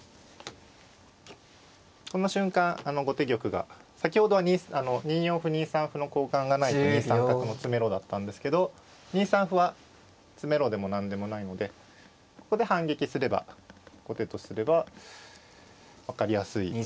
この瞬間後手玉が先ほどは２四歩２三歩の交換がないと２三角の詰めろだったんですけど２三歩は詰めろでも何でもないのでここで反撃すれば後手とすれば分かりやすい。